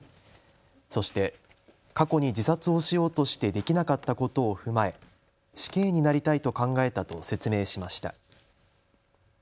そして過去に自殺をしようとしてできなかったことを踏まえ死刑になりたいと考えたと説明しました。